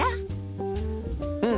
うん！